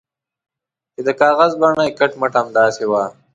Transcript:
چې د کاغذ بڼه یې کټ مټ همداسې وه.